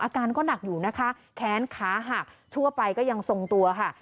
อาการก็หนักอยู่นะคะแค้นขาหักทั่วไปก็ยังทรงตัวค่ะ